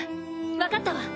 わかったわ。